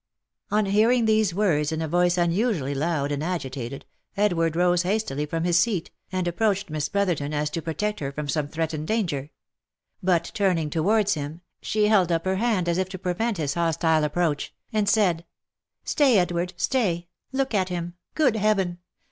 On hearing these words in a voice unusually loud and agitated, Edward rose hastily from his seat, and approached Miss Brotherton as if to protect her from some threatened danger ; but turning towards him, she held up her hand as if to prevent his hostile approach, and said, " Stay Edward, stay ! Look at him ! Good Heaven